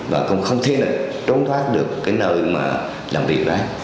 và cũng không thể trốn thoát được cái nơi mà làm việc đó